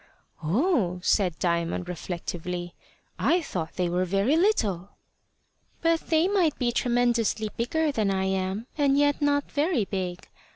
"Oh!" said Diamond reflectively; "I thought they were very little." "But they might be tremendously bigger than I am, and yet not very big.